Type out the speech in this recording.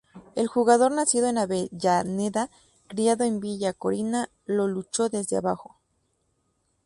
El jugador nacido en Avellaneda, criado en Villa Corina, la luchó desde abajo.